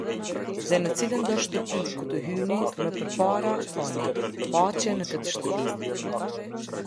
Dhe në cilëndo shtëpi ku të hyni, më përpara thoni: "Paqe në këtë shtëpi".